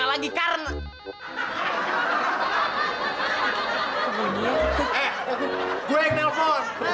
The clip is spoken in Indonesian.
lagi narakan diri gue bro